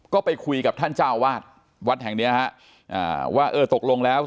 ก็ไปคุยกับท่านเจ้าวาดวัดแห่งเนี้ยฮะอ่าว่าเออตกลงแล้ว